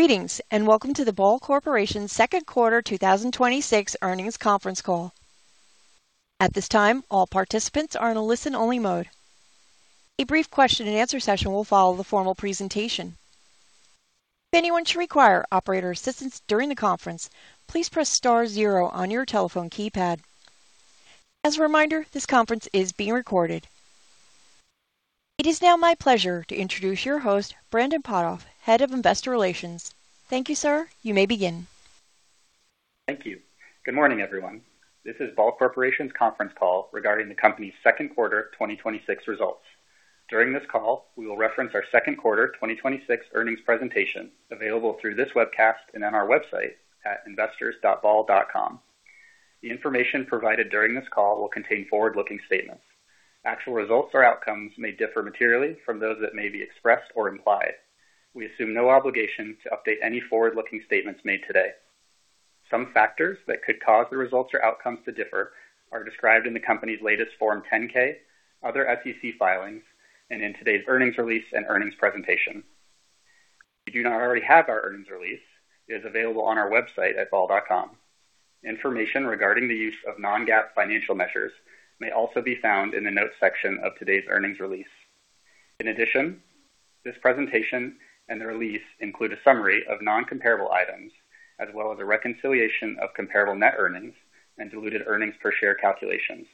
Greetings, welcome to the Ball Corporation Q2 2026 earnings conference call. At this time, all participants are in a listen-only mode. A brief question and answer session will follow the formal presentation. If anyone should require operator assistance during the conference, please press star zero on your telephone keypad. As a reminder, this conference is being recorded. It is now my pleasure to introduce your host, Brandon Potthoff, Head of Investor Relations. Thank you, sir. You may begin. Thank you. Good morning, everyone. This is Ball Corporation's conference call regarding the company's Q2 2026 results. During this call, we will reference our Q2 2026 earnings presentation, available through this webcast and on our website at investors.ball.com. The information provided during this call will contain forward-looking statements. Actual results or outcomes may differ materially from those that may be expressed or implied. We assume no obligation to update any forward-looking statements made today. Some factors that could cause the results or outcomes to differ are described in the company's latest Form 10-K, other SEC filings, and in today's earnings release and earnings presentation. If you do not already have our earnings release, it is available on our website at ball.com. Information regarding the use of non-GAAP financial measures may also be found in the notes section of today's earnings release. This presentation and the release include a summary of non-comparable items as well as a reconciliation of comparable net earnings and diluted earnings per share calculations.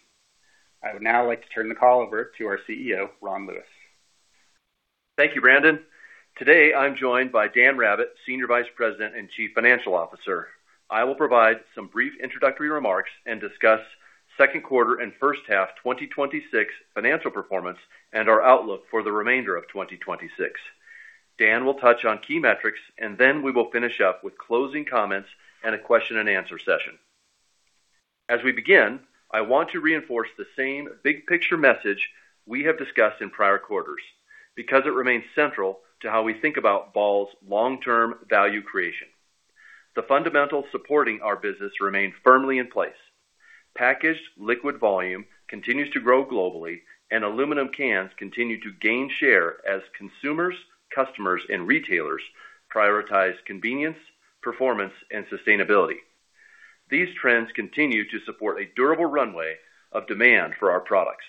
I would now like to turn the call over to our CEO, Ron Lewis. Thank you, Brandon. Today I'm joined by Dan Rabbitt, Senior Vice President and Chief Financial Officer. I will provide some brief introductory remarks and discuss Q2 and first half 2026 financial performance and our outlook for the remainder of 2026. Dan will touch on key metrics, and then we will finish up with closing comments and a question and answer session. As we begin, I want to reinforce the same big-picture message we have discussed in prior quarters because it remains central to how we think about Ball's long-term value creation. The fundamentals supporting our business remain firmly in place. Packaged liquid volume continues to grow globally, and aluminum cans continue to gain share as consumers, customers, and retailers prioritize convenience, performance, and sustainability. These trends continue to support a durable runway of demand for our products.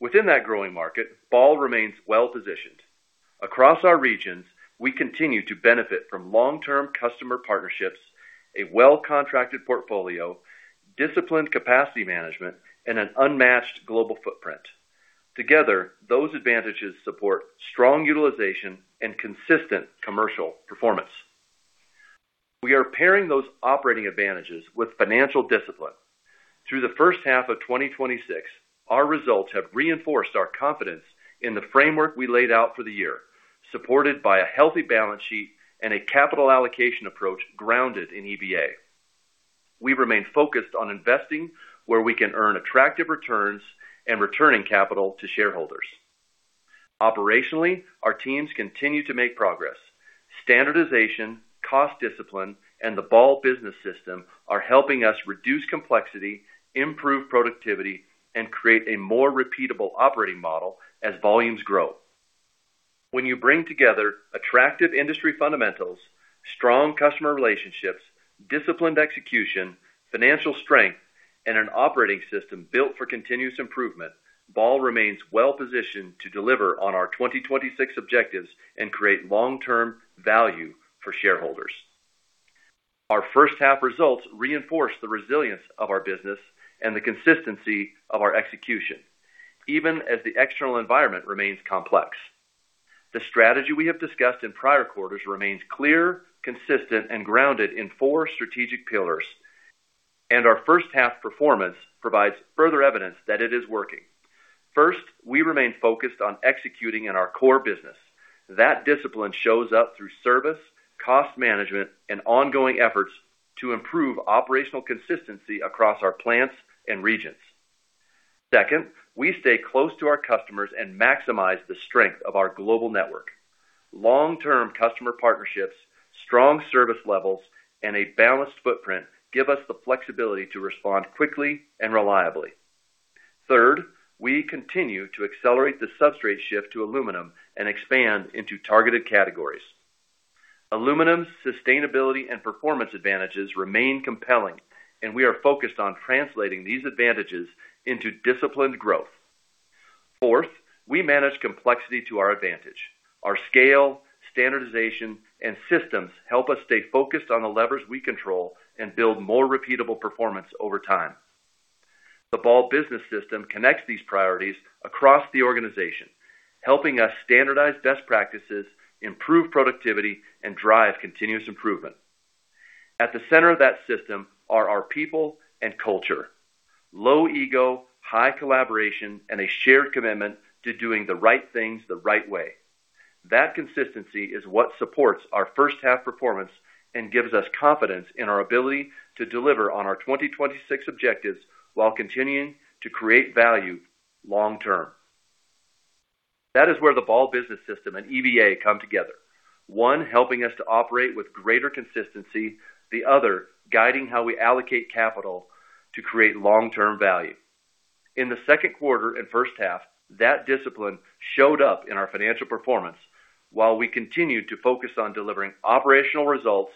Within that growing market, Ball remains well-positioned. Across our regions, we continue to benefit from long-term customer partnerships, a well-contracted portfolio, disciplined capacity management, and an unmatched global footprint. Together, those advantages support strong utilization and consistent commercial performance. We are pairing those operating advantages with financial discipline. Through the first half of 2026, our results have reinforced our confidence in the framework we laid out for the year, supported by a healthy balance sheet and a capital allocation approach grounded in EVA. We remain focused on investing where we can earn attractive returns and returning capital to shareholders. Operationally, our teams continue to make progress. Standardization, cost discipline, and the Ball Business System are helping us reduce complexity, improve productivity, and create a more repeatable operating model as volumes grow. When you bring together attractive industry fundamentals, strong customer relationships, disciplined execution, financial strength, and an operating system built for continuous improvement, Ball remains well-positioned to deliver on our 2026 objectives and create long-term value for shareholders. Our first half results reinforce the resilience of our business and the consistency of our execution, even as the external environment remains complex. The strategy we have discussed in prior quarters remains clear, consistent, and grounded in four strategic pillars. Our first half performance provides further evidence that it is working. First, we remain focused on executing in our core business. That discipline shows up through service, cost management, and ongoing efforts to improve operational consistency across our plants and regions. Second, we stay close to our customers and maximize the strength of our global network. Long-term customer partnerships, strong service levels, and a balanced footprint give us the flexibility to respond quickly and reliably. Third, we continue to accelerate the substrate shift to aluminum and expand into targeted categories. Aluminum's sustainability and performance advantages remain compelling, and we are focused on translating these advantages into disciplined growth. Fourth, we manage complexity to our advantage. Our scale, standardization, and systems help us stay focused on the levers we control and build more repeatable performance over time. The Ball Business System connects these priorities across the organization, helping us standardize best practices, improve productivity, and drive continuous improvement. At the center of that system are our people and culture. Low ego, high collaboration, and a shared commitment to doing the right things the right way. That consistency is what supports our first half performance and gives us confidence in our ability to deliver on our 2026 objectives while continuing to create value long term. That is where the Ball Business System and EVA come together. One helping us to operate with greater consistency, the other guiding how we allocate capital to create long-term value. In the Q2 and first half, that discipline showed up in our financial performance while we continued to focus on delivering operational results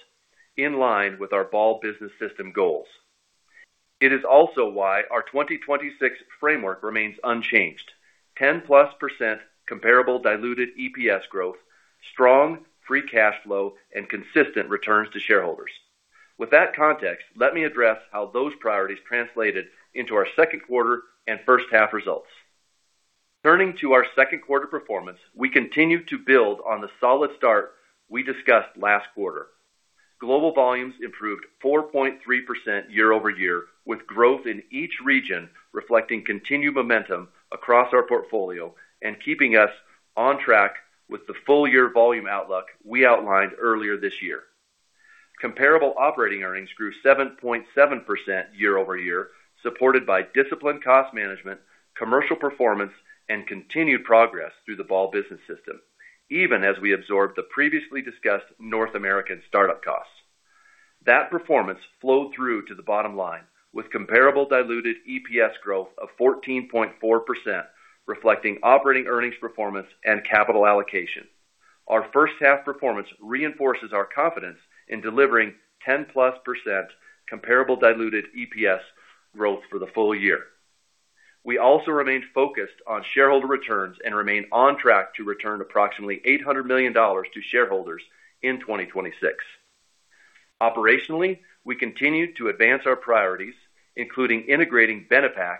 in line with our Ball Business System goals. It is also why our 2026 framework remains unchanged. 10+% comparable diluted EPS growth, strong free cash flow, and consistent returns to shareholders. With that context, let me address how those priorities translated into our Q2 and first half results. Turning to our Q2 performance, we continued to build on the solid start we discussed last quarter. Global volumes improved 4.3% year-over-year, with growth in each region reflecting continued momentum across our portfolio and keeping us on track with the full year volume outlook we outlined earlier this year. Comparable operating earnings grew 7.7% year-over-year, supported by disciplined cost management, commercial performance, and continued progress through the Ball Business System, even as we absorbed the previously discussed North American startup costs. That performance flowed through to the bottom line with comparable diluted EPS growth of 14.4%, reflecting operating earnings performance and capital allocation. Our first half performance reinforces our confidence in delivering 10-plus percent comparable diluted EPS growth for the full year. We also remain focused on shareholder returns and remain on track to return approximately $800 million to shareholders in 2026. Operationally, we continue to advance our priorities, including integrating Benepack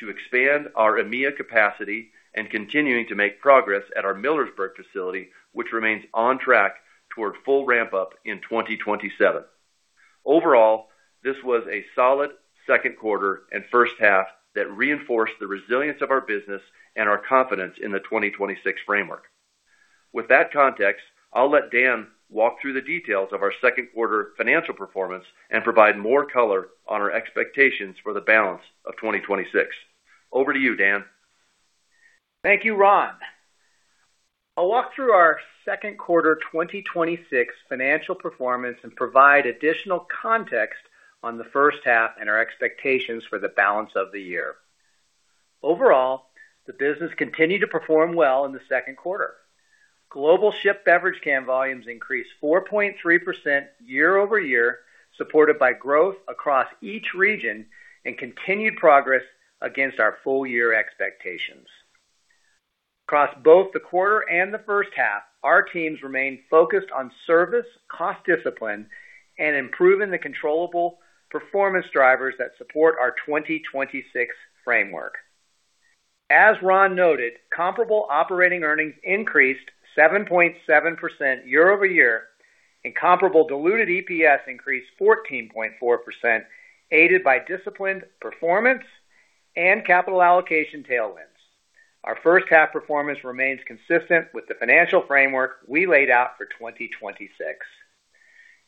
to expand our EMEIA capacity and continuing to make progress at our Millersburg facility, which remains on track toward full ramp-up in 2027. Overall, this was a solid Q2 and first half that reinforced the resilience of our business and our confidence in the 2026 framework. With that context, I'll let Dan walk through the details of our Q2 financial performance and provide more color on our expectations for the balance of 2026. Over to you, Dan. Thank you, Ron. I'll walk through our Q2 2026 financial performance and provide additional context on the first half and our expectations for the balance of the year. Overall, the business continued to perform well in the Q2. Global shipped beverage can volumes increased 4.3% year-over-year, supported by growth across each region and continued progress against our full year expectations. Across both the quarter and the first half, our teams remained focused on service, cost discipline, and improving the controllable performance drivers that support our 2026 framework. As Ron noted, comparable operating earnings increased 7.7% year-over-year, and comparable diluted EPS increased 14.4%, aided by disciplined performance and capital allocation tailwinds. Our first half performance remains consistent with the financial framework we laid out for 2026.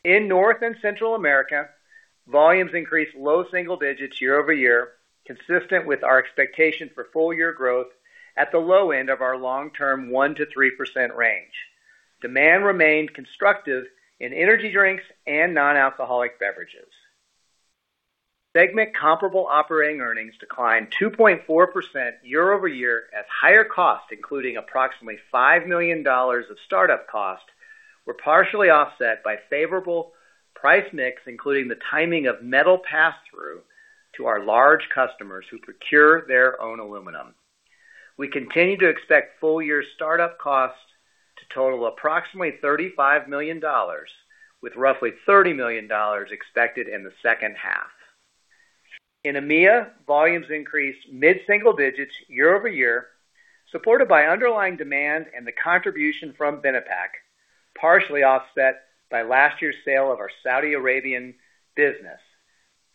In North and Central America, volumes increased low single digits year-over-year, consistent with our expectation for full year growth at the low end of our long-term 1%-3% range. Demand remained constructive in energy drinks and non-alcoholic beverages. Segment comparable operating earnings declined 2.4% year-over-year as higher costs, including approximately $5 million of startup costs, were partially offset by favorable price mix, including the timing of metal passthrough to our large customers who procure their own aluminum. We continue to expect full year startup costs to total approximately $35 million, with roughly $30 million expected in the second half. In EMEIA, volumes increased mid-single digits year-over-year, supported by underlying demand and the contribution from Benepack, partially offset by last year's sale of our Saudi Arabian business.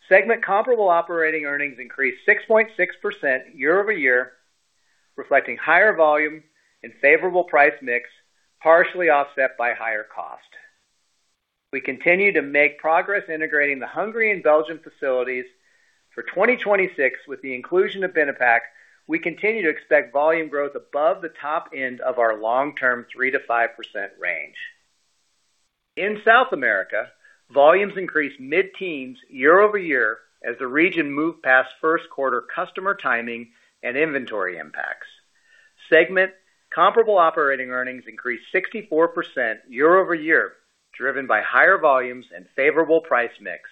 Segment comparable operating earnings increased 6.6% year-over-year, reflecting higher volume and favorable price mix, partially offset by higher cost. We continue to make progress integrating the Hungary and Belgian facilities. For 2026, with the inclusion of Benepack, we continue to expect volume growth above the top end of our long-term 3%-5% range. In South America, volumes increased mid-teens year-over-year as the region moved past first quarter customer timing and inventory impacts. Segment comparable operating earnings increased 64% year-over-year, driven by higher volumes and favorable price mix.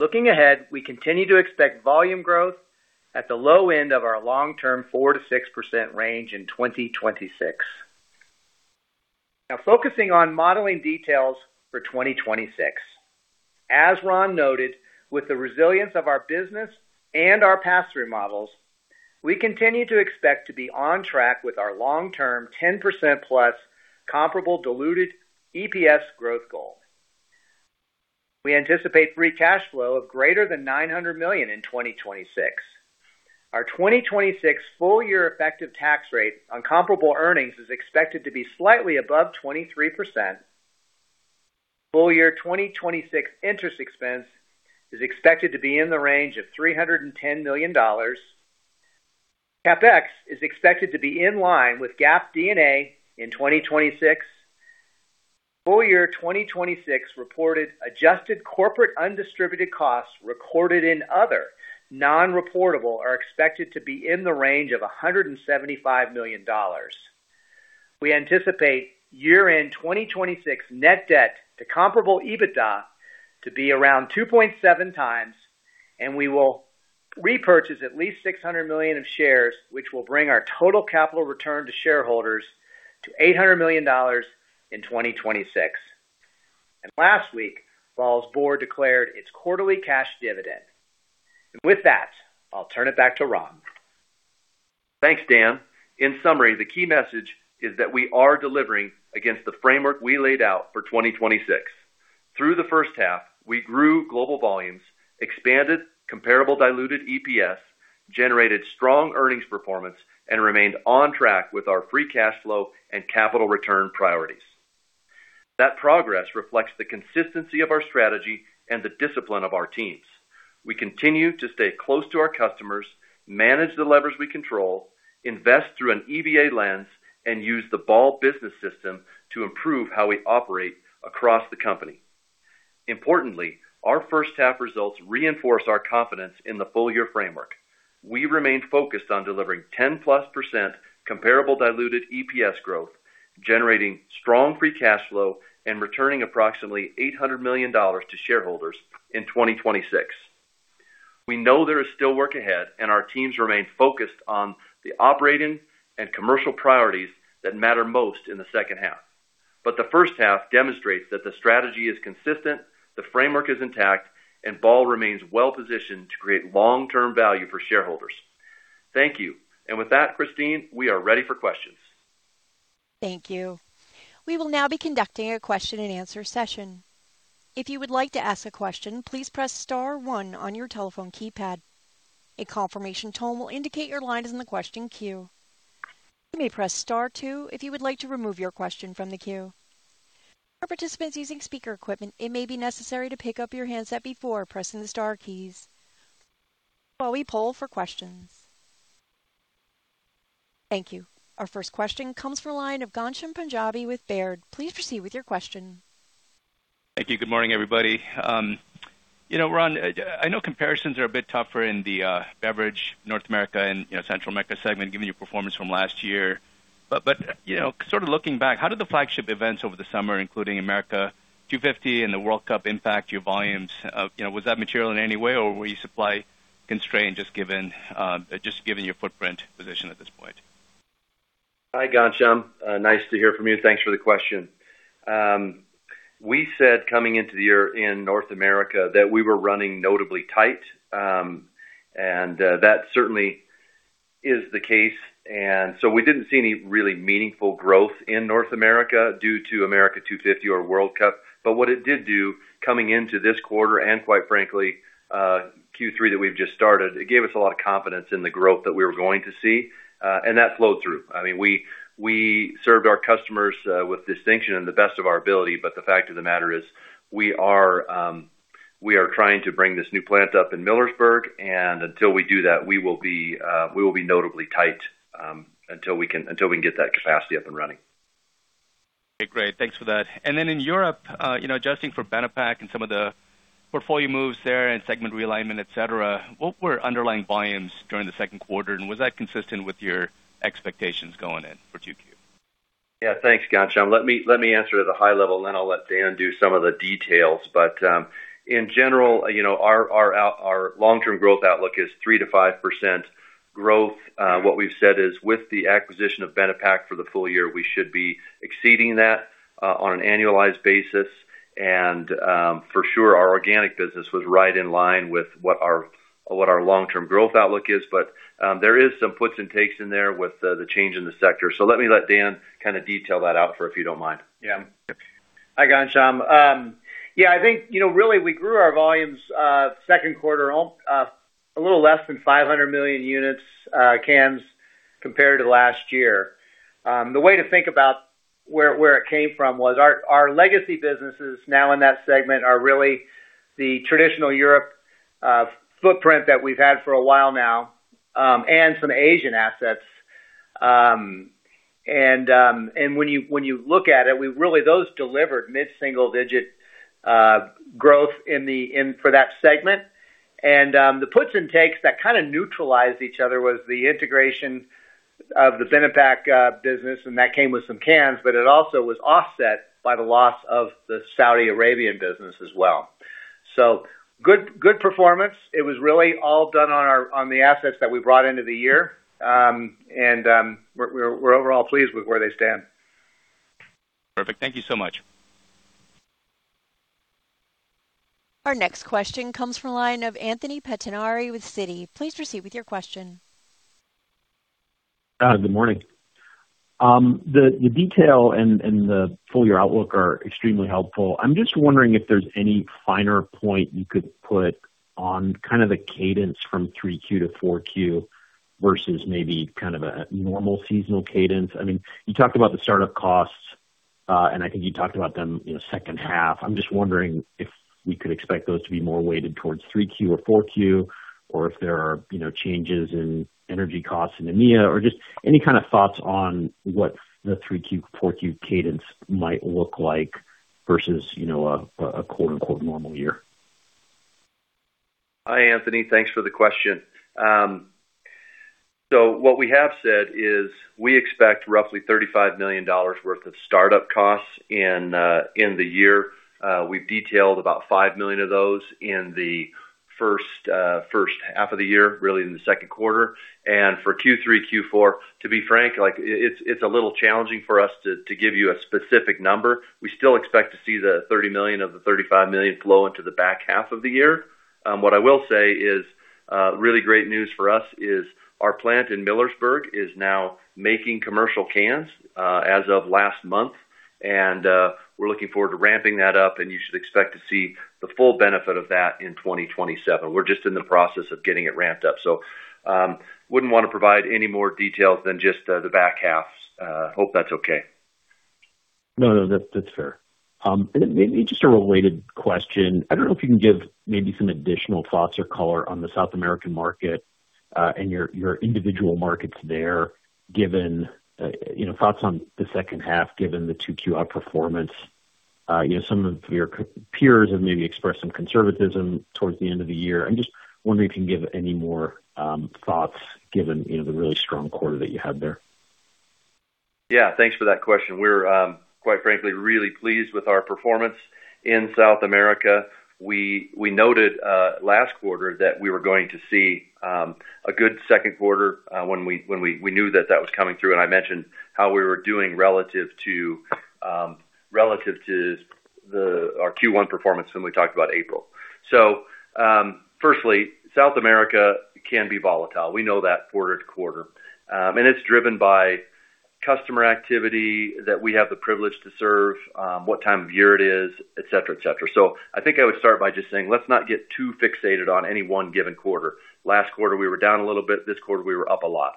Looking ahead, we continue to expect volume growth at the low end of our long-term 4%-6% range in 2026. Focusing on modeling details for 2026. As Ron noted, with the resilience of our business and our passthrough models, we continue to expect to be on track with our long-term 10%-plus comparable diluted EPS growth goal. We anticipate free cash flow of greater than $900 million in 2026. Our 2026 full year effective tax rate on comparable earnings is expected to be slightly above 23%. Full year 2026 interest expense is expected to be in the range of $310 million. CapEx is expected to be in line with GAAP D&A in 2026. Full year 2026 reported adjusted corporate undistributed costs recorded in other non-reportable are expected to be in the range of $175 million. We anticipate year-end 2026 net debt to comparable EBITDA to be around 2.7 times, and we will repurchase at least $600 million of shares, which will bring our total capital return to shareholders to $800 million in 2026. Last week, Ball's board declared its quarterly cash dividend. With that, I'll turn it back to Ron. Thanks, Dan. In summary, the key message is that we are delivering against the framework we laid out for 2026. Through the first half, we grew global volumes, expanded comparable diluted EPS, generated strong earnings performance, and remained on track with our free cash flow and capital return priorities. That progress reflects the consistency of our strategy and the discipline of our teams. We continue to stay close to our customers, manage the levers we control, invest through an EVA lens, and use the Ball Business System to improve how we operate across the company. Importantly, our first half results reinforce our confidence in the full-year framework. We remain focused on delivering 10%-plus comparable diluted EPS growth, generating strong free cash flow, and returning approximately $800 million to shareholders in 2026. We know there is still work ahead, our teams remain focused on the operating and commercial priorities that matter most in the second half. The first half demonstrates that the strategy is consistent, the framework is intact, and Ball remains well-positioned to create long-term value for shareholders. Thank you. With that, Christine, we are ready for questions. Thank you. We will now be conducting a question and answer session. If you would like to ask a question, please press star one on your telephone keypad. A confirmation tone will indicate your line is in the question queue. You may press star two if you would like to remove your question from the queue. For participants using speaker equipment, it may be necessary to pick up your handset before pressing the star keys. While we poll for questions, thank you. Our first question comes from line of Ghansham Panjabi with Baird. Please proceed with your question. Thank you. Good morning, everybody. Ron, I know comparisons are a bit tougher in the Beverage North America and Central America segment, given your performance from last year. Sort of looking back, how did the flagship events over the summer, including America 250 and the World Cup, impact your volumes? Was that material in any way, or were you supply constrained just given your footprint position at this point? Hi, Ghansham. Nice to hear from you. Thanks for the question. We said coming into the year in North America that we were running notably tight. That certainly is the case. So we didn't see any really meaningful growth in North America due to America 250 or World Cup. What it did do coming into this quarter and quite frankly, Q3 that we've just started, it gave us a lot of confidence in the growth that we were going to see. That flowed through. The fact of the matter is, we are trying to bring this new plant up in Millersburg, until we do that, we will be notably tight, until we can get that capacity up and running. Okay, great. Thanks for that. Then in Europe, adjusting for Benepack and some of the portfolio moves there and segment realignment, et cetera, what were underlying volumes during the Q2, and was that consistent with your expectations going in for Q2? Yeah. Thanks, Ghansham. Let me answer at a high level, then I'll let Dan do some of the details. In general, our long-term growth outlook is 3%-5% growth. What we've said is, with the acquisition of Benepack for the full year, we should be exceeding that on an annualized basis. For sure, our organic business was right in line with what our long-term growth outlook is. There is some puts and takes in there with the change in the sector. Let me let Dan kind of detail that out for you, if you don't mind. Yeah. Hi, Ghansham. I think really we grew our volumes Q2 on a little less than 500 million units cans compared to last year. The way to think about where it came from was our legacy businesses now in that segment are really the traditional Europe footprint that we've had for a while now, and some Asian assets. When you look at it, really those delivered mid-single-digit growth for that segment. The puts and takes that kind of neutralized each other was the integration of the Benepack business, and that came with some cans, but it also was offset by the loss of the Saudi Arabian business as well. Good performance. It was really all done on the assets that we brought into the year. We're overall pleased with where they stand. Perfect. Thank you so much. Our next question comes from line of Anthony Pettinari with Citi. Please proceed with your question. Good morning. The detail and the full year outlook are extremely helpful. I'm just wondering if there's any finer point you could put on kind of the cadence from Q3 to Q3 versus maybe kind of a normal seasonal cadence. You talked about the startup costs, and I think you talked about them in the second half. I'm just wondering if we could expect those to be more weighted towards Q3 or Q3, or if there are changes in energy costs in EMEA or just any kind of thoughts on what the Q3, Q4 cadence might look like versus a quote, unquote normal year? Hi, Anthony. Thanks for the question. What we have said is we expect roughly $35 million worth of startup costs in the year. We've detailed about $5 million of those in the first half of the year, really in the Q2. For Q3, Q4, to be frank, it's a little challenging for us to give you a specific number. We still expect to see the $30 million of the $35 million flow into the back half of the year. What I will say is, really great news for us is our plant in Millersburg is now making commercial cans as of last month. We're looking forward to ramping that up, and you should expect to see the full benefit of that in 2027. We're just in the process of getting it ramped up. Wouldn't want to provide any more details than just the back half. Hope that's okay. No, that's fair. Maybe just a related question. I don't know if you can give maybe some additional thoughts or color on the South American market, and your individual markets there, thoughts on the second half, given the Q2 outperformance. Some of your peers have maybe expressed some conservatism towards the end of the year. I'm just wondering if you can give any more thoughts given the really strong quarter that you had there. Yeah, thanks for that question. We're, quite frankly, really pleased with our performance in South America. We noted last quarter that we were going to see a good Q2, when we knew that that was coming through, and I mentioned how we were doing relative to our Q1 performance when we talked about April. Firstly, South America can be volatile. We know that quarter to quarter. It's driven by customer activity that we have the privilege to serve, what time of year it is, et cetera. I think I would start by just saying, let's not get too fixated on any one given quarter. Last quarter, we were down a little bit. This quarter, we were up a lot.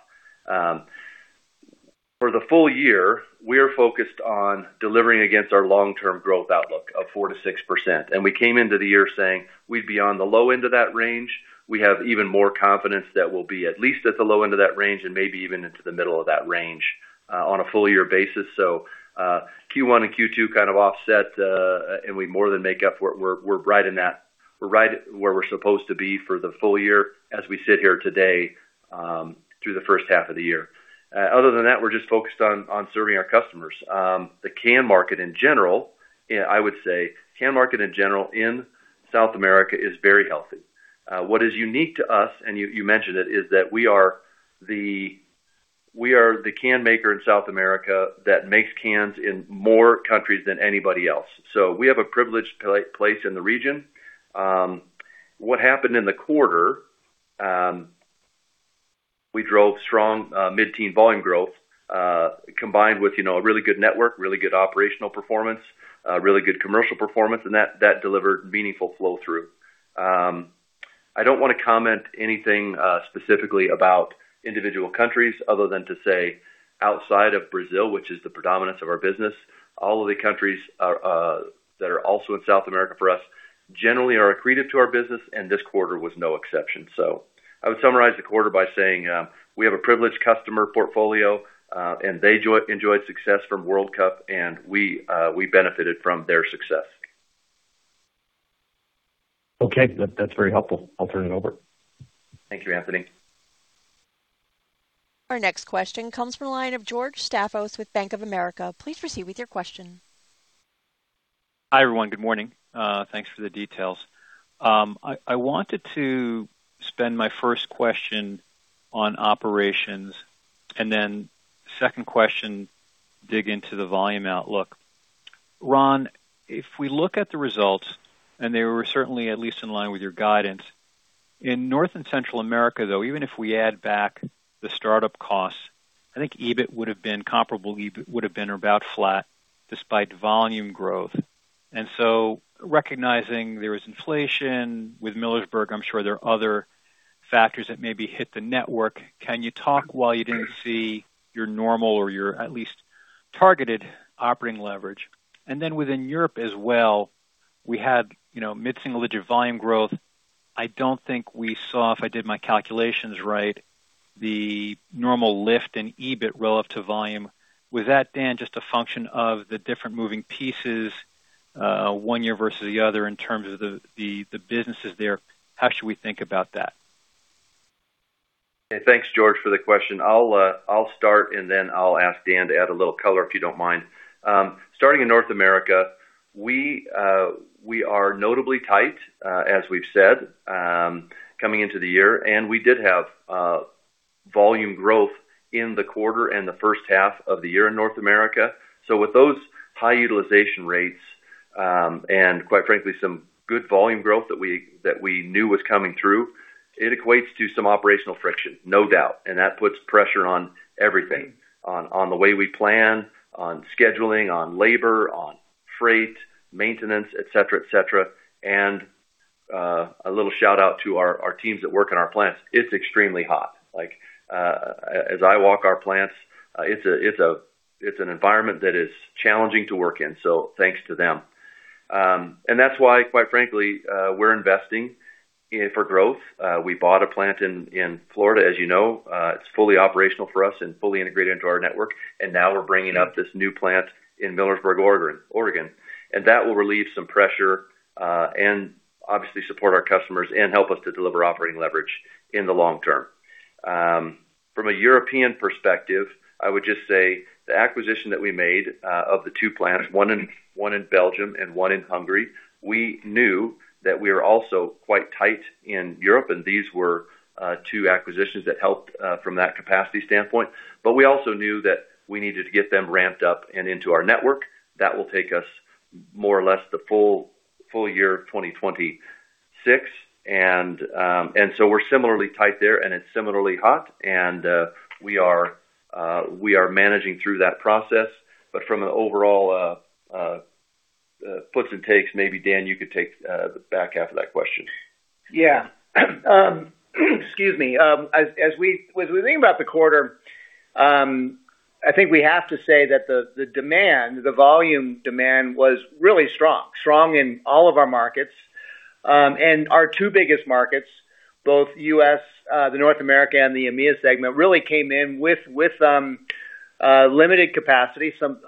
For the full year, we're focused on delivering against our long-term growth outlook of 4%-6%. We came into the year saying we'd be on the low end of that range. We have even more confidence that we'll be at least at the low end of that range and maybe even into the middle of that range on a full year basis. Q1 and Q2 kind of offset, and we more than make up. We're right where we're supposed to be for the full year as we sit here today, through the first half of the year. Other than that, we're just focused on serving our customers. The can market in general, I would say can market in general in South America is very healthy. What is unique to us, and you mentioned it, is that we are the can maker in South America that makes cans in more countries than anybody else. We have a privileged place in the region. What happened in the quarter, we drove strong mid-teen volume growth, combined with a really good network, really good operational performance, really good commercial performance, and that delivered meaningful flow-through. I don't want to comment anything specifically about individual countries other than to say outside of Brazil, which is the predominance of our business, all of the countries that are also in South America for us generally are accretive to our business, and this quarter was no exception. I would summarize the quarter by saying we have a privileged customer portfolio, and they enjoyed success from World Cup, and we benefited from their success. Okay. That's very helpful. I'll turn it over. Thank you, Anthony. Our next question comes from the line of George Staphos with Bank of America. Please proceed with your question. Hi, everyone. Good morning. Thanks for the details. I wanted to spend my first question on operations, then second question dig into the volume outlook. Ron, if we look at the results, and they were certainly at least in line with your guidance, in North and Central America, though, even if we add back the startup costs, I think EBIT would've been comparable, would've been about flat despite volume growth. Recognizing there was inflation with Millersburg, I'm sure there are other factors that maybe hit the network, can you talk why you didn't see your normal or your at least targeted operating leverage? Within Europe as well, we had mid-single-digit volume growth. I don't think we saw, if I did my calculations right, the normal lift in EBIT relative to volume. Was that, Dan, just a function of the different moving pieces one year versus the other in terms of the businesses there? How should we think about that? Hey, thanks, George, for the question. I'll start, then I'll ask Dan to add a little color, if you don't mind. Starting in North America, we are notably tight, as we've said, coming into the year, and we did have volume growth in the quarter and the first half of the year in North America. With those high utilization rates, and quite frankly, some good volume growth that we knew was coming through, it equates to some operational friction, no doubt, and that puts pressure on everything. On the way we plan, on scheduling, on labor, on freight, maintenance, et cetera. A little shout-out to our teams that work in our plants. It's extremely hot. As I walk our plants, it's an environment that is challenging to work in, so thanks to them. That's why, quite frankly, we're investing for growth. We bought a plant in Florida, as you know. It's fully operational for us and fully integrated into our network. Now we're bringing up this new plant in Millersburg, Oregon. That will relieve some pressure, and obviously support our customers, and help us to deliver operating leverage in the long term. From a European perspective, I would just say the acquisition that we made of the two plants, one in Belgium and one in Hungary, we knew that we are also quite tight in Europe, and these were two acquisitions that helped from that capacity standpoint. We also knew that we needed to get them ramped up and into our network. That will take us more or less the full year 2026. We're similarly tight there, and it's similarly hot, and we are managing through that process. From an overall puts and takes, maybe Dan, you could take the back half of that question. Yeah. Excuse me. As we think about the quarter, I think we have to say that the demand, the volume demand, was really strong. Strong in all of our markets. Our two biggest markets, both U.S., the North America, and the EMEIA segment, really came in with limited capacity, so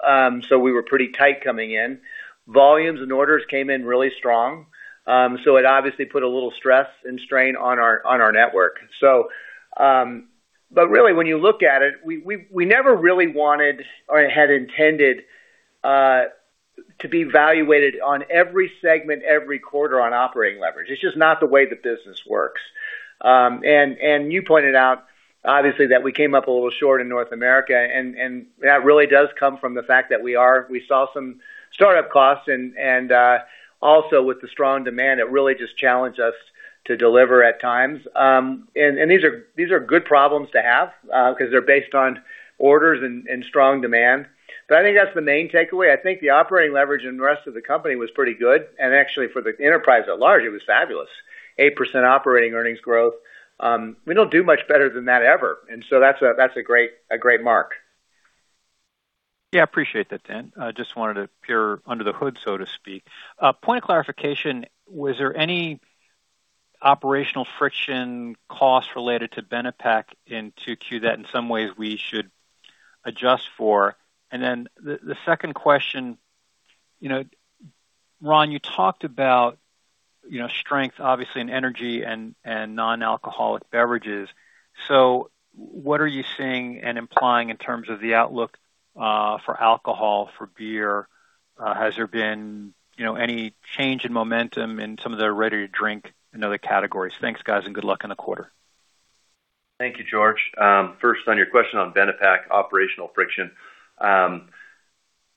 we were pretty tight coming in. Volumes and orders came in really strong. It obviously put a little stress and strain on our network. Really, when you look at it, we never really wanted or had intended to be evaluated on every segment, every quarter on operating leverage. It's just not the way the business works. You pointed out, obviously, that we came up a little short in North America, and that really does come from the fact that we saw some startup costs and also with the strong demand, it really just challenged us to deliver at times. These are good problems to have, because they're based on orders and strong demand. I think that's the main takeaway. I think the operating leverage in the rest of the company was pretty good. Actually, for the enterprise at large, it was fabulous. 8% operating earnings growth. We don't do much better than that, ever. That's a great mark. Yeah, appreciate that, Dan. I just wanted to peer under the hood, so to speak. A point of clarification, was there any operational friction cost related to Benepack in Q2 that in some ways we should adjust for? The second question, Ron, you talked about strength, obviously, in energy and non-alcoholic beverages. What are you seeing and implying in terms of the outlook for alcohol, for beer? Has there been any change in momentum in some of the ready-to-drink and other categories? Thanks, guys, and good luck on the quarter. Thank you, George. First on your question on Benepack operational friction.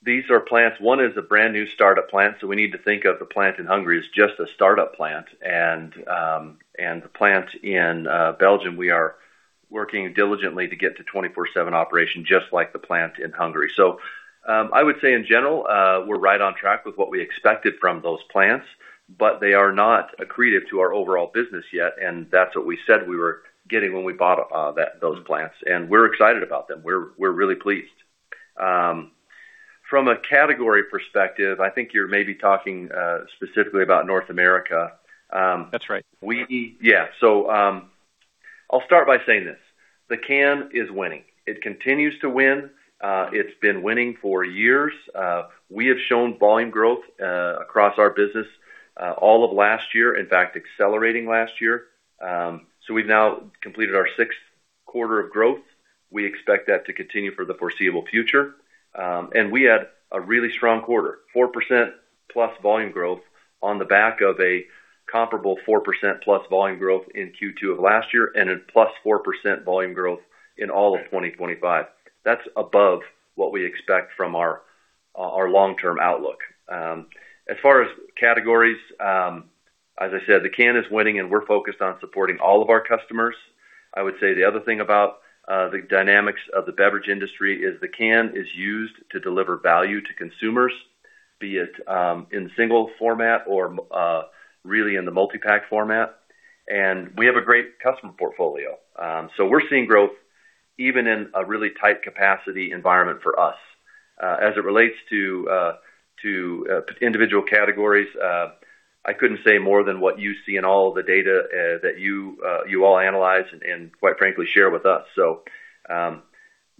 These are plants. One is a brand new startup plant, so we need to think of the plant in Hungary as just a startup plant. The plant in Belgium, we are working diligently to get to 24/7 operation, just like the plant in Hungary. I would say, in general, we're right on track with what we expected from those plants, but they are not accretive to our overall business yet, and that's what we said we were getting when we bought those plants. We're excited about them. We're really pleased. From a category perspective, I think you're maybe talking specifically about North America. That's right. I'll start by saying this. The can is winning. It continues to win. It's been winning for years. We have shown volume growth across our business all of last year. In fact, accelerating last year. We've now completed our sixth quarter of growth. We expect that to continue for the foreseeable future. We had a really strong quarter, 4%+ volume growth on the back of a comparable 4%+ volume growth in Q2 of last year and a +4% volume growth in all of 2025. That's above what we expect from our long-term outlook. As far as categories, as I said, the can is winning, and we're focused on supporting all of our customers. I would say the other thing about the dynamics of the beverage industry is the can is used to deliver value to consumers, be it in single format or really in the multi-pack format. We have a great customer portfolio. We're seeing growth even in a really tight capacity environment for us. As it relates to individual categories, I couldn't say more than what you see in all of the data that you all analyze and quite frankly, share with us.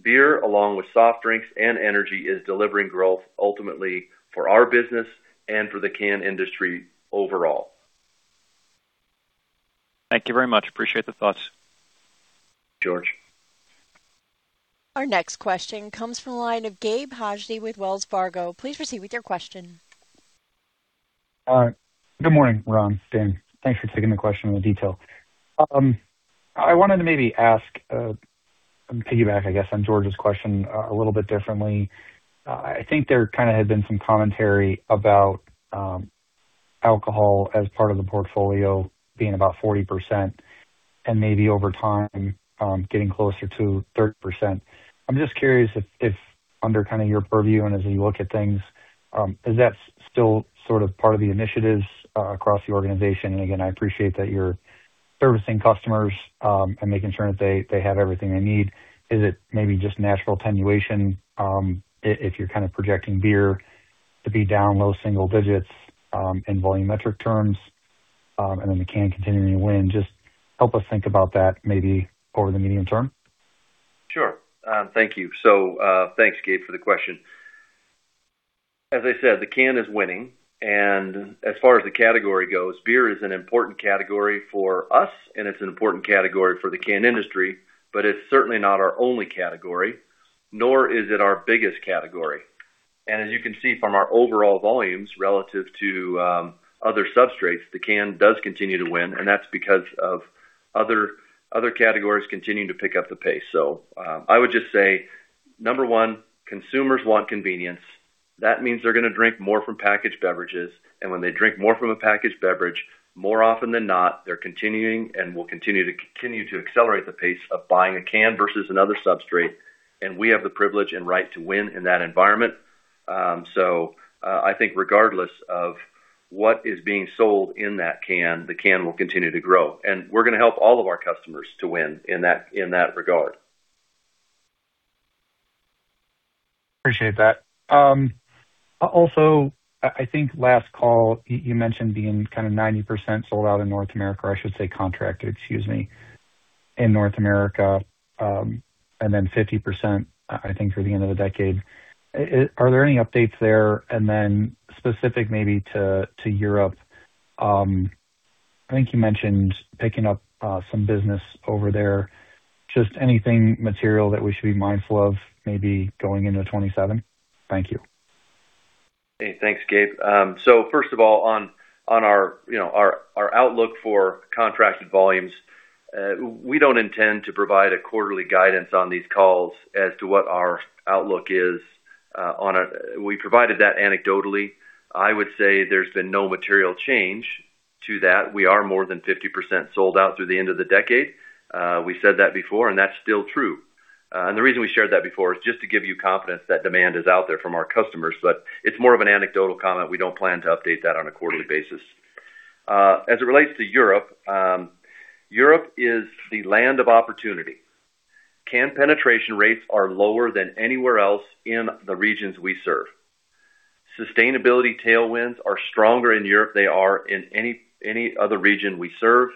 Beer along with soft drinks and energy is delivering growth ultimately for our business and for the can industry overall. Thank you very much. Appreciate the thoughts. George. Our next question comes from the line of Gabe Hajdu with Wells Fargo. Please proceed with your question. Good morning, Ron, Dan. Thanks for taking the question in detail. I wanted to maybe ask and piggyback, I guess, on George's question a little bit differently. I think there kind of had been some commentary about alcohol as part of the portfolio being about 40% and maybe over time getting closer to 30%. I'm just curious if under kind of your purview and as you look at things, is that still sort of part of the initiatives across the organization? Again, I appreciate that you're servicing customers and making sure that they have everything they need. Is it maybe just natural attenuation if you're kind of projecting beer to be down low single digits in volumetric terms, the can continuing to win. Just help us think about that maybe over the medium term. Sure. Thank you. Thanks, Gabe, for the question. As I said, the can is winning. As far as the category goes, beer is an important category for us, and it's an important category for the can industry, it's certainly not our only category, nor is it our biggest category. As you can see from our overall volumes relative to other substrates, the can does continue to win, and that's because of other categories continuing to pick up the pace. I would just say, number 1, consumers want convenience. That means they're gonna drink more from packaged beverages. When they drink more from a packaged beverage, more often than not, they're continuing and will continue to accelerate the pace of buying a can versus another substrate. We have the privilege and right to win in that environment. I think regardless of what is being sold in that can, the can will continue to grow, we're gonna help all of our customers to win in that regard. Appreciate that. I think last call, you mentioned being kind of 90% sold out in North America, or I should say contracted, excuse me, in North America, and then 50%, I think, through the end of the decade. Are there any updates there? Specific maybe to Europe, I think you mentioned picking up some business over there. Just anything material that we should be mindful of maybe going into 2027? Thank you. Hey, thanks, Gabe. First of all, on our outlook for contracted volumes, we don't intend to provide a quarterly guidance on these calls as to what our outlook is. We provided that anecdotally. I would say there's been no material change to that. We are more than 50% sold out through the end of the decade. We said that before, and that's still true. The reason we shared that before is just to give you confidence that demand is out there from our customers. It's more of an anecdotal comment. We don't plan to update that on a quarterly basis. As it relates to Europe is the land of opportunity. Can penetration rates are lower than anywhere else in the regions we serve. Sustainability tailwinds are stronger in Europe than they are in any other region we serve,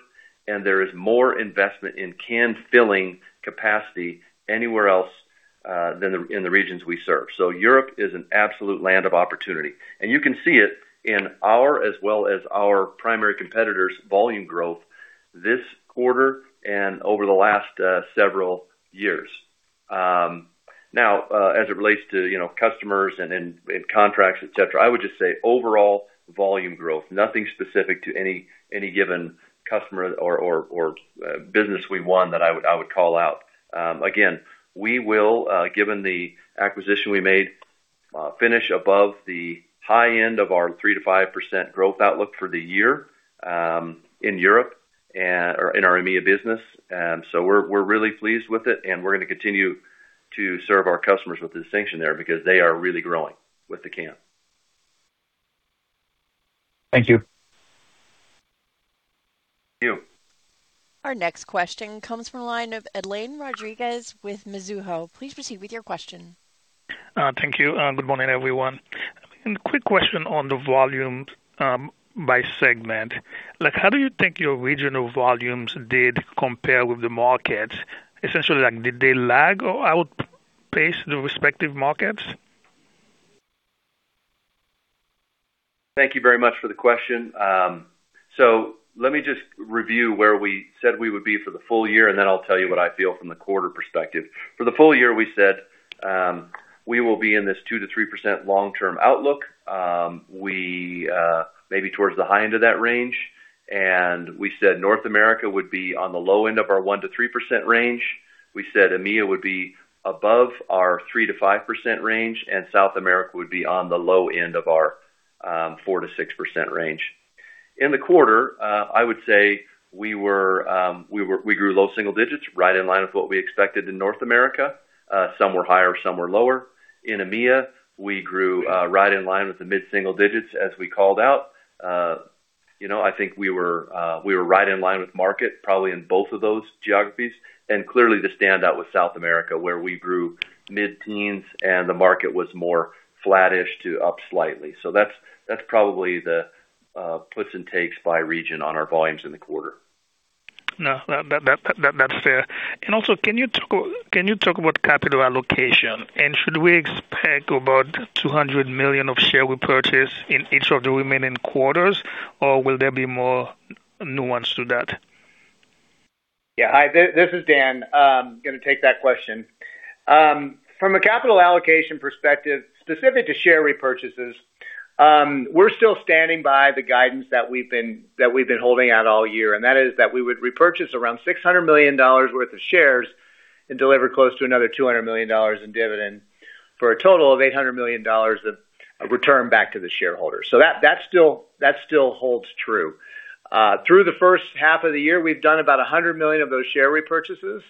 there is more investment in can filling capacity anywhere else, than in the regions we serve. Europe is an absolute land of opportunity, you can see it in our as well as our primary competitors' volume growth this quarter and over the last several years. As it relates to customers and in contracts, et cetera, I would just say overall volume growth, nothing specific to any given customer or business we won that I would call out. Again, we will, given the acquisition we made, finish above the high end of our 3%-5% growth outlook for the year in Europe or in our EMEIA business. We're really pleased with it, we're gonna continue to serve our customers with distinction there because they are really growing with the can. Thank you. Thank you. Our next question comes from the line of Edlain Rodriguez with Mizuho. Please proceed with your question. Thank you. Good morning, everyone. Quick question on the volumes by segment. How do you think your regional volumes did compare with the market? Essentially, did they lag or outpace the respective markets? Thank you very much for the question. Let me just review where we said we would be for the full year, and then I'll tell you what I feel from the quarter perspective. For the full year, we said we will be in this 2%-3% long-term outlook. Maybe towards the high end of that range. We said North America would be on the low end of our 1%-3% range. We said EMEIA would be above our 3%-5% range, and South America would be on the low end of our 4%-6% range. In the quarter, I would say we grew low single digits, right in line with what we expected in North America. Some were higher, some were lower. In EMEIA, we grew right in line with the mid-single digits as we called out. I think we were right in line with market, probably in both of those geographies. Clearly the standout was South America, where we grew mid-teens and the market was more flattish to up slightly. That's probably the puts and takes by region on our volumes in the quarter. No, that's fair. Also, can you talk about capital allocation? Should we expect about $200 million of share repurchase in each of the remaining quarters, or will there be more nuance to that? Yeah. Hi, this is Dan. I'm gonna take that question. From a capital allocation perspective, specific to share repurchases, we're still standing by the guidance that we've been holding at all year, and that is that we would repurchase around $600 million worth of shares and deliver close to another $200 million in dividend for a total of $800 million of return back to the shareholders. That still holds true. Through the first half of the year, we've done about $100 million of those share repurchases.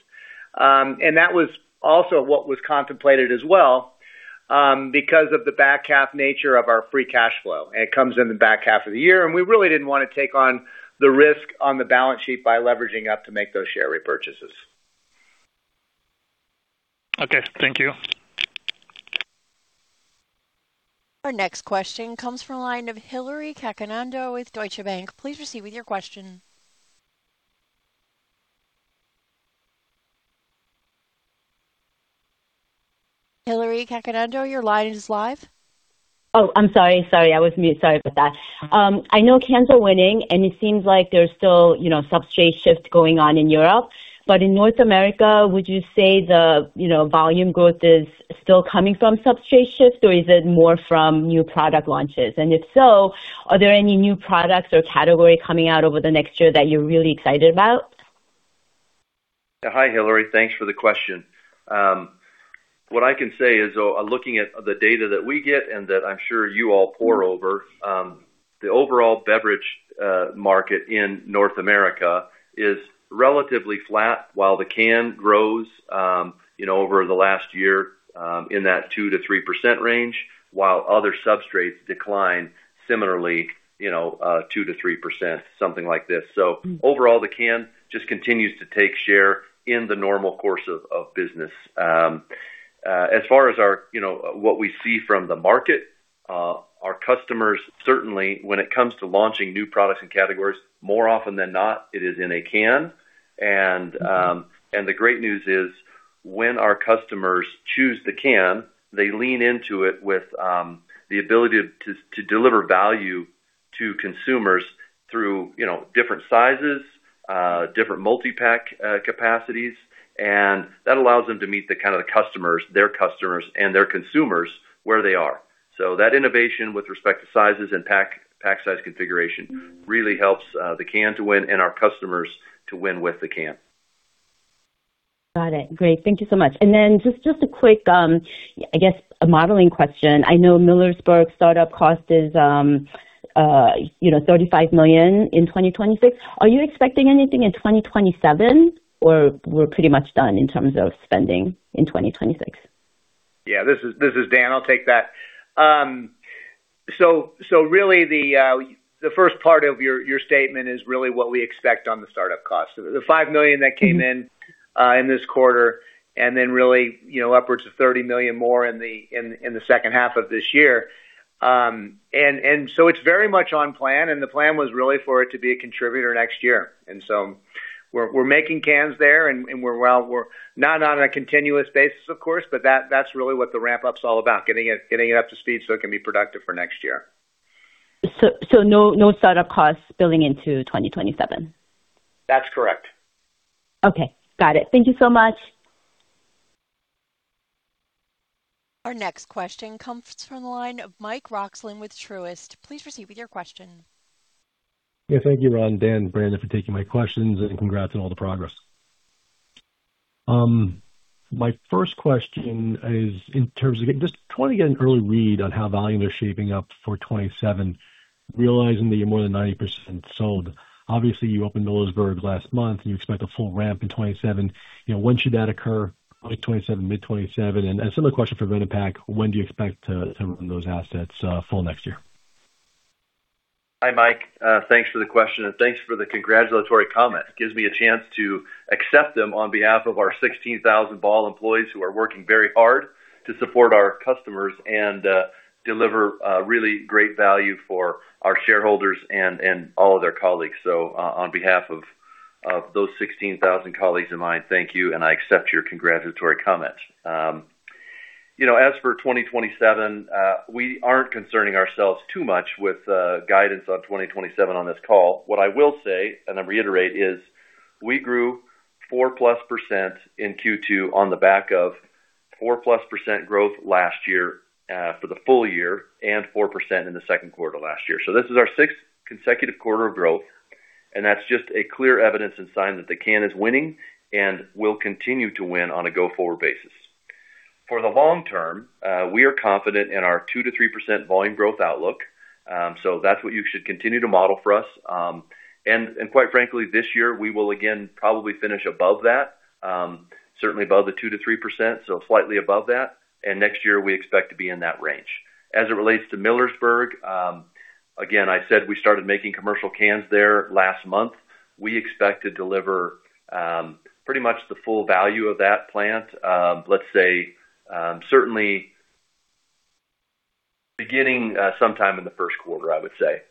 That was also what was contemplated as well, because of the back half nature of our free cash flow. It comes in the back half of the year, and we really didn't want to take on the risk on the balance sheet by leveraging up to make those share repurchases. Okay, thank you. Our next question comes from the line of Hillary Cacanando with Deutsche Bank. Please proceed with your question. Hillary Cacanando, your line is live. Oh, I'm sorry. I was mute. Sorry about that. I know cans are winning, it seems like there's still substrate shift going on in Europe. In North America, would you say the volume growth is still coming from substrate shift, or is it more from new product launches? If so, are there any new products or category coming out over the next year that you're really excited about? Hi, Hillary. Thanks for the question. What I can say is, looking at the data that we get and that I'm sure you all pour over, the overall beverage market in North America is relatively flat while the can grows over the last year, in that 2%-3% range, while other substrates decline similarly, 2%-3%, something like this. Overall, the can just continues to take share in the normal course of business. As far as what we see from the market, our customers, certainly, when it comes to launching new products and categories, more often than not, it is in a can. The great news is when our customers choose the can, they lean into it with the ability to deliver value to consumers through different sizes, different multi-pack capacities. That allows them to meet their customers and their consumers where they are. That innovation with respect to sizes and pack size configuration really helps the can to win and our customers to win with the can. Got it. Great. Thank you so much. Just a quick, I guess, a modeling question. I know Millersburg's startup cost is $35 million in 2026. Are you expecting anything in 2027, or we're pretty much done in terms of spending in 2026? Yeah, this is Dan. I'll take that. Really, the first part of your statement is really what we expect on the startup cost. The $5 million that came in in this quarter, really upwards of $30 million more in the second half of this year. It's very much on plan, and the plan was really for it to be a contributor next year. We're making cans there, and we're well, we're not on a continuous basis, of course, but that's really what the ramp-up's all about, getting it up to speed so it can be productive for next year. No startup costs building into 2027? That's correct. Okay. Got it. Thank you so much. Our next question comes from the line of Mike Rockslin with Truist. Please proceed with your question. Yeah. Thank you, Ron, Dan, Brandon, for taking my questions, and congrats on all the progress. My first question is just want to get an early read on how volume they're shaping up for 2027, realizing that you're more than 90% sold. Obviously, you opened Millersburg last month, and you expect a full ramp in 2027. When should that occur? Late 2027, mid 2027? A similar question for Benepack. When do you expect to open those assets full next year? Hi, Mike. Thanks for the question and thanks for the congratulatory comment. Gives me a chance to accept them on behalf of our 16,000 Ball employees who are working very hard to support our customers and deliver really great value for our shareholders and all of their colleagues. On behalf of those 16,000 colleagues of mine, thank you, and I accept your congratulatory comments. As for 2027, we aren't concerning ourselves too much with guidance on 2027 on this call. What I will say, and I reiterate, is we grew 4-plus% in Q2 on the back of 4-plus% growth last year for the full year and 4% in the Q2 last year. This is our sixth consecutive quarter of growth, and that's just a clear evidence and sign that the can is winning and will continue to win on a go-forward basis. For the long term, we are confident in our 2%-3% volume growth outlook. That's what you should continue to model for us. Quite frankly, this year, we will again probably finish above that, certainly above the 2%-3%, so slightly above that. Next year, we expect to be in that range. As it relates to Millersburg, again, I said we started making commercial cans there last month. We expect to deliver pretty much the full value of that plant, let's say, certainly beginning sometime in the first quarter, I would say.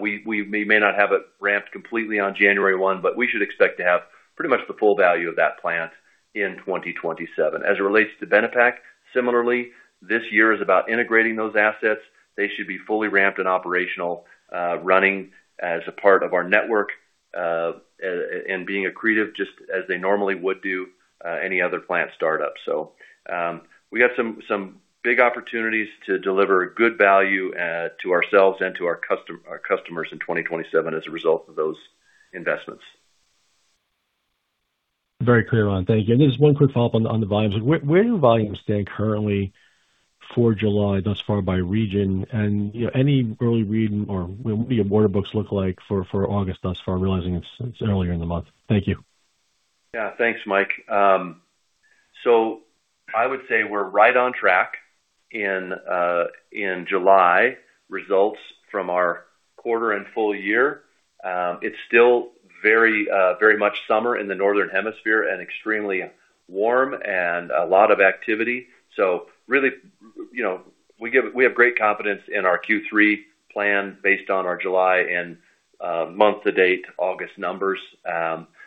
We may not have it ramped completely on January 1, but we should expect to have pretty much the full value of that plant in 2027. As it relates to Benepack, similarly, this year is about integrating those assets. They should be fully ramped and operational, running as a part of our network, and being accretive just as they normally would do any other plant startup. We got some big opportunities to deliver good value to ourselves and to our customers in 2027 as a result of those investments. Very clear, Ron. Thank you. There's one quick follow-up on the volumes. Where do volumes stand currently for July thus far by region? Any early read or what do your order books look like for August thus far, realizing it's earlier in the month? Thank you. Yeah. Thanks, Mike. I would say we're right on track In July results from our quarter and full year. It's still very much summer in the Northern Hemisphere and extremely warm and a lot of activity. Really, we have great confidence in our Q3 plan based on our July and month to date August numbers.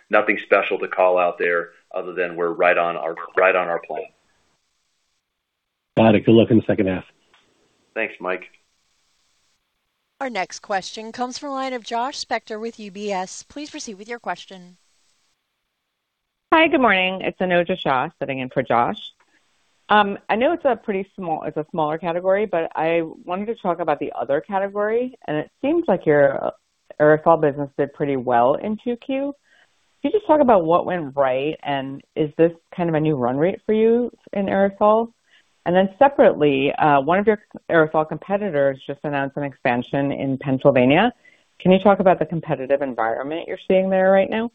Nothing special to call out there other than we're right on our plan. Got it. Good luck in the second half. Thanks, Mike. Our next question comes from the line of Josh Spector with UBS. Please proceed with your question. Hi, good morning. It's Anojja Shah sitting in for Josh. I know it's a smaller category. I wanted to talk about the other category. It seems like your aerosol business did pretty well in Q2. Can you just talk about what went right? Is this kind of a new run rate for you in aerosols? Separately, one of your aerosol competitors just announced an expansion in Pennsylvania. Can you talk about the competitive environment you're seeing there right now?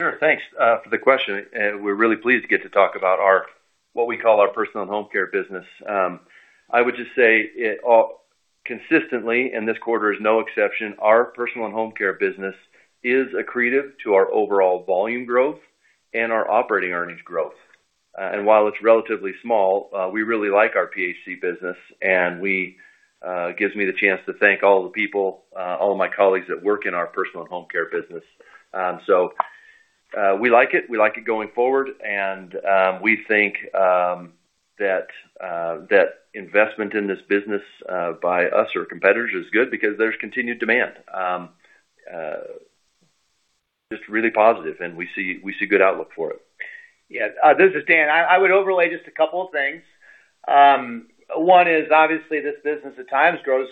Sure. Thanks for the question. We're really pleased to get to talk about our, what we call our personal home care business. I would just say it all consistently. This quarter is no exception, our personal and home care business is accretive to our overall volume growth and our operating earnings growth. While it's relatively small, we really like our PHC business. It gives me the chance to thank all the people, all of my colleagues that work in our personal and home care business. We like it. We like it going forward. We think that investment in this business by us or competitors is good because there's continued demand. Just really positive. We see good outlook for it. Yes. This is Dan. I would overlay just a couple of things. One is obviously this business at times grows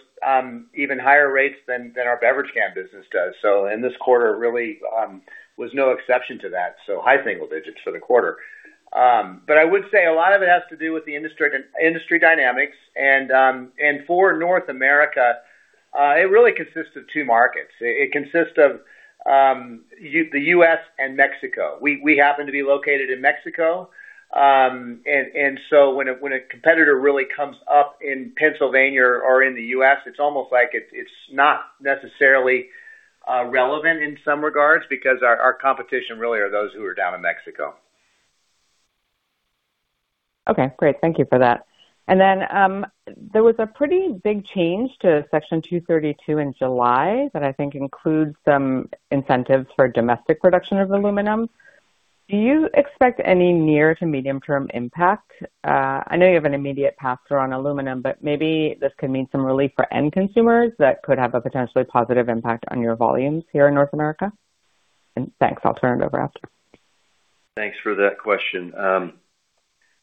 even higher rates than our beverage can business does. This quarter really was no exception to that. High single digits for the quarter. I would say a lot of it has to do with the industry dynamics. For North America, it really consists of two markets. It consists of the U.S. and Mexico. We happen to be located in Mexico. When a competitor really comes up in Pennsylvania or in the U.S., it's almost like it's not necessarily relevant in some regards because our competition really are those who are down in Mexico. Okay, great. Thank you for that. There was a pretty big change to Section 232 in July that I think includes some incentives for domestic production of aluminum. Do you expect any near to medium term impact? I know you have an immediate pass through on aluminum. Maybe this could mean some relief for end consumers that could have a potentially positive impact on your volumes here in North America. Thanks. I'll turn it over after. Thanks for that question.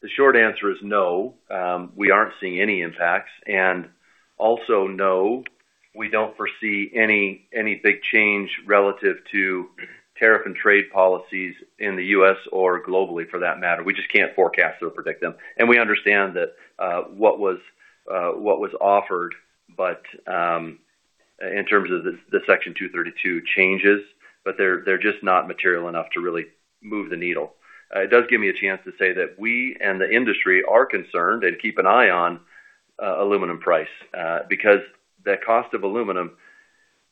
The short answer is no, we aren't seeing any impacts. No, we don't foresee any big change relative to tariff and trade policies in the U.S. or globally for that matter. We just can't forecast or predict them. We understand that what was offered, in terms of the Section 232 changes, they're just not material enough to really move the needle. It does give me a chance to say that we and the industry are concerned and keep an eye on aluminum price. Because the cost of aluminum,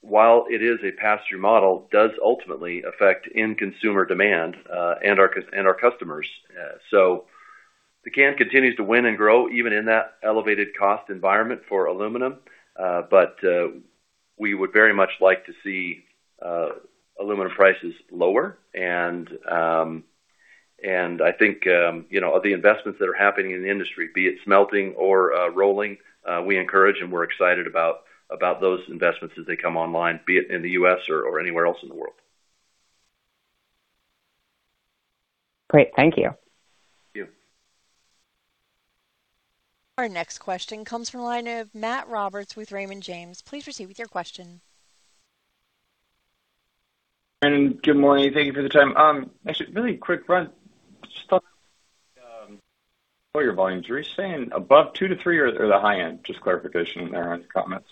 while it is a pass-through model, does ultimately affect end consumer demand and our customers. The can continues to win and grow even in that elevated cost environment for aluminum. We would very much like to see aluminum prices lower. I think the investments that are happening in the industry, be it smelting or rolling, we encourage and we're excited about those investments as they come online, be it in the U.S. or anywhere else in the world. Great. Thank you. Thank you. Our next question comes from the line of Matt Roberts with Raymond James. Please proceed with your question. Good morning. Thank you for the time. Actually really quick, Bandon, just on your volumes, are you saying above 2%-3% or the high end? Just clarification on the comments.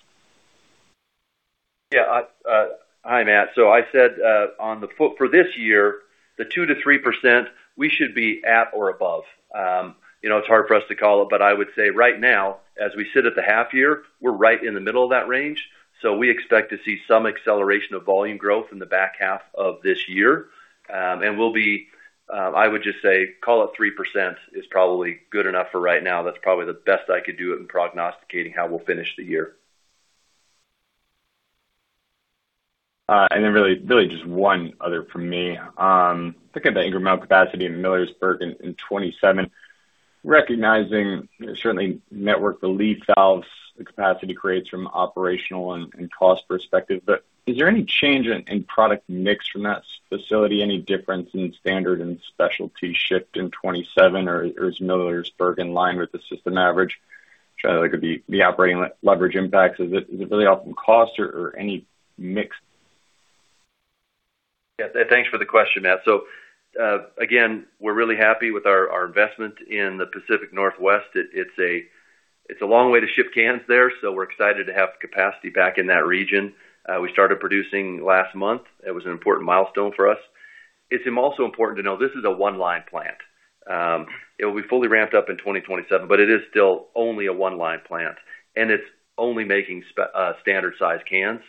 Hi, Matt. I said for this year, the 2%-3%, we should be at or above. It's hard for us to call it, but I would say right now, as we sit at the half year, we're right in the middle of that range. We expect to see some acceleration of volume growth in the back half of this year. We'll be, I would just say call it 3% is probably good enough for right now. That's probably the best I could do in prognosticating how we'll finish the year. Then really just one other from me. Thinking about incremental capacity in Millersburg in 2027, recognizing certainly network the lead valves, the capacity creates from operational and cost perspective. Is there any change in product mix from that facility? Any difference in standard and specialty shift in 2027, or is Millersburg in line with the system average? Trying to look at the operating leverage impacts. Is it really all from cost or any mix? Thanks for the question, Matt. Again, we're really happy with our investment in the Pacific Northwest. It's a long way to ship cans there, so we're excited to have the capacity back in that region. We started producing last month. It was an important milestone for us. It's also important to know this is a one-line plant. It will be fully ramped up in 2027, but it is still only a one-line plant, and it's only making standard size cans.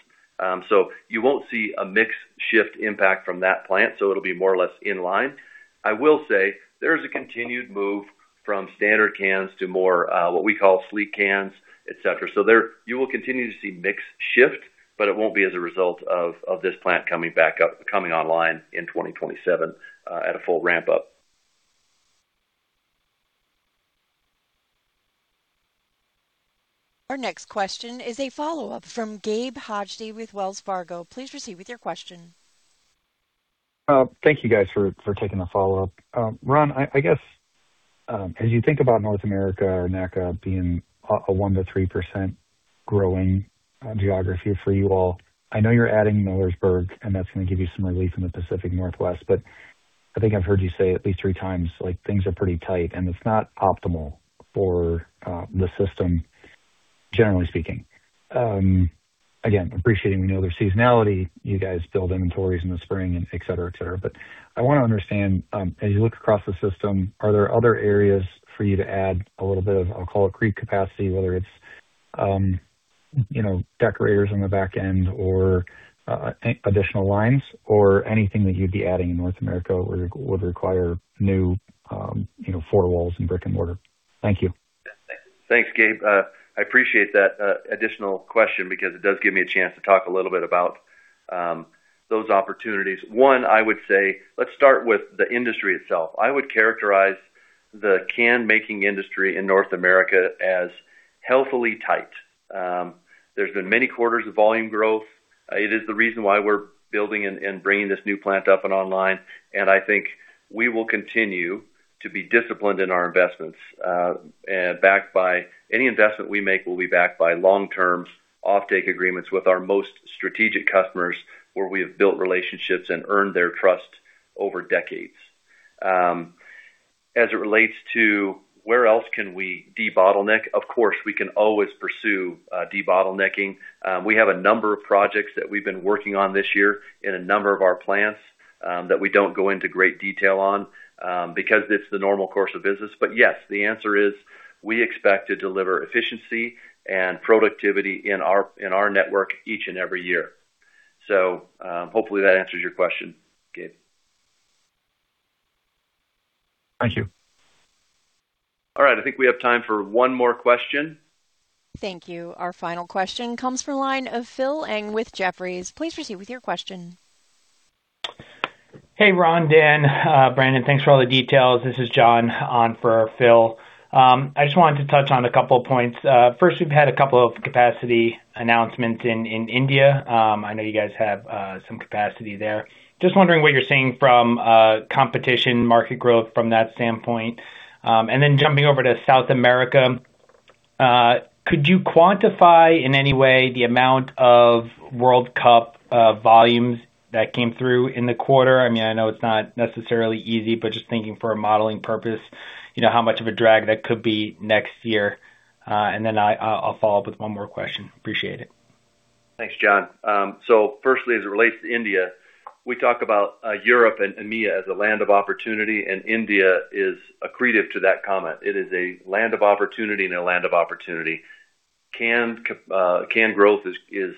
You won't see a mix shift impact from that plant. It'll be more or less in line. I will say there is a continued move from standard cans to more what we call sleek cans, et cetera. You will continue to see mix shift, but it won't be as a result of this plant coming online in 2027 at a full ramp up. Our next question is a follow-up from Gabe Hajdu with Wells Fargo. Please proceed with your question. Thank you guys for taking the follow-up. Ron, I guess, as you think about North America or NACA being a 1%-3% growing geography for you all, I know you're adding Millersburg, and that's going to give you some relief in the Pacific Northwest, but I think I've heard you say at least three times, things are pretty tight, and it's not optimal for the system, generally speaking. Again, appreciating we know there's seasonality. You guys build inventories in the spring and et cetera. I want to understand, as you look across the system, are there other areas for you to add a little bit of, I'll call it, creep capacity, whether it's decorators on the back end or additional lines or anything that you'd be adding in North America would require new four walls in brick and mortar. Thank you. Thanks, Gabe. I appreciate that additional question because it does give me a chance to talk a little bit about those opportunities. I would say, let's start with the industry itself. I would characterize the can-making industry in North America as healthily tight. There's been many quarters of volume growth. It is the reason why we're building and bringing this new plant up and online. I think we will continue to be disciplined in our investments. Any investment we make will be backed by long-term offtake agreements with our most strategic customers, where we have built relationships and earned their trust over decades. As it relates to where else can we debottleneck, of course, we can always pursue debottlenecking. We have a number of projects that we've been working on this year in a number of our plants that we don't go into great detail on because it's the normal course of business. Yes, the answer is we expect to deliver efficiency and productivity in our network each and every year. Hopefully that answers your question, Gabe. Thank you. All right. I think we have time for one more question. Thank you. Our final question comes from line of Phil Ng with Jefferies. Please proceed with your question. Hey, Ron, Dan, Brandon, thanks for all the details. This is John on for Phil. I just wanted to touch on a couple of points. First, we've had a couple of capacity announcements in India. I know you guys have some capacity there. Just wondering what you're seeing from competition, market growth from that standpoint. Jumping over to South America, could you quantify in any way the amount of World Cup volumes that came through in the quarter? I know it's not necessarily easy, but just thinking for a modeling purpose, how much of a drag that could be next year. Then I'll follow up with one more question. Appreciate it. Thanks, John. Firstly, as it relates to India, we talk about Europe and EMEA as a land of opportunity, and India is accretive to that comment. It is a land of opportunity in a land of opportunity. Can growth is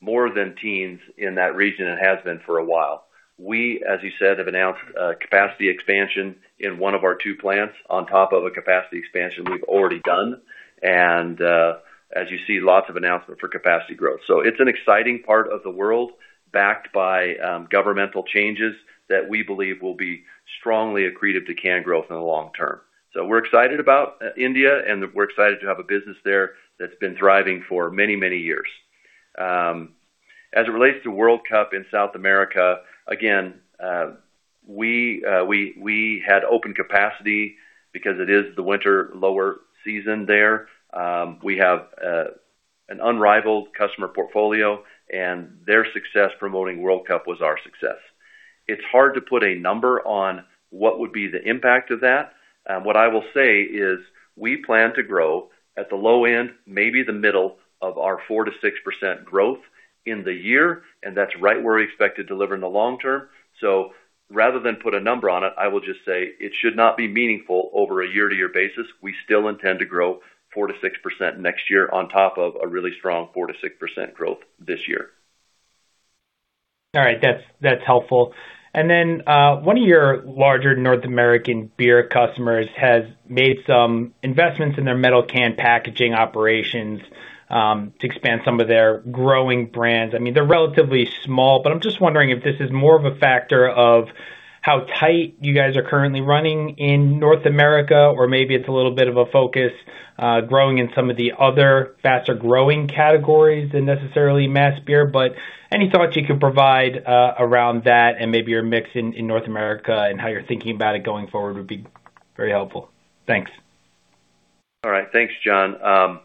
more than teens in that region and has been for a while. We, as you said, have announced capacity expansion in one of our two plants on top of a capacity expansion we've already done. As you see, lots of announcement for capacity growth. It's an exciting part of the world backed by governmental changes that we believe will be strongly accretive to can growth in the long term. We're excited about India and we're excited to have a business there that's been thriving for many, many years. As it relates to World Cup in South America, again, we had open capacity because it is the winter lower season there. We have an unrivaled customer portfolio and their success promoting World Cup was our success. It's hard to put a number on what would be the impact of that. What I will say is we plan to grow at the low end, maybe the middle of our 4%-6% growth in the year, and that's right where we expect to deliver in the long term. Rather than put a number on it, I will just say it should not be meaningful over a year-over-year basis. We still intend to grow 4%-6% next year on top of a really strong 4%-6% growth this year. All right. That's helpful. One of your larger North American beer customers has made some investments in their metal can packaging operations to expand some of their growing brands. They're relatively small, but I'm just wondering if this is more of a factor of how tight you guys are currently running in North America, or maybe it's a little bit of a focus growing in some of the other faster-growing categories than necessarily mass beer. Any thoughts you could provide around that and maybe your mix in North America and how you're thinking about it going forward would be very helpful. Thanks. All right. Thanks, John.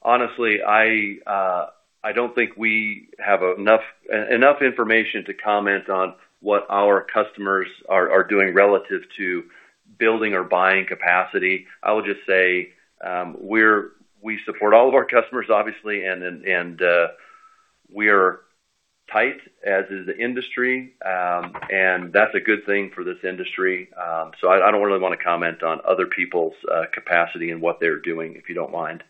Honestly, I don't think we have enough information to comment on what our customers are doing relative to building or buying capacity. I will just say we support all of our customers, obviously, and we are tight, as is the industry, and that's a good thing for this industry. I don't really want to comment on other people's capacity and what they're doing, if you don't mind.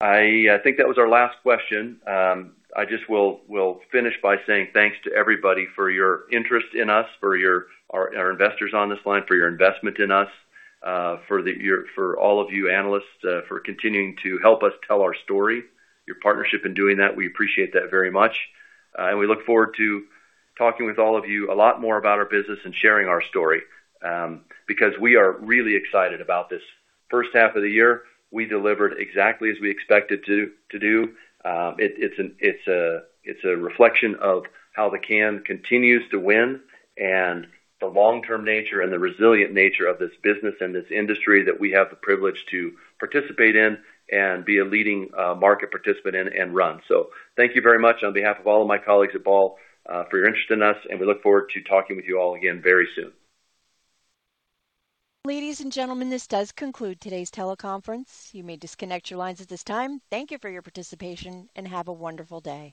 I think that was our last question. I just will finish by saying thanks to everybody for your interest in us, our investors on this line for your investment in us, for all of you analysts for continuing to help us tell our story. Your partnership in doing that, we appreciate that very much. We look forward to talking with all of you a lot more about our business and sharing our story because we are really excited about this first half of the year. We delivered exactly as we expected to do. It's a reflection of how the can continues to win and the long-term nature and the resilient nature of this business and this industry that we have the privilege to participate in and be a leading market participant in and run. Thank you very much on behalf of all of my colleagues at Ball for your interest in us, and we look forward to talking with you all again very soon. Ladies and gentlemen, this does conclude today's teleconference. You may disconnect your lines at this time. Thank you for your participation, and have a wonderful day.